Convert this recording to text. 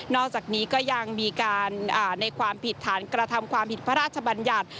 อกจากนี้ก็ยังมีการในความผิดฐานกระทำความผิดพระราชบัญญัติ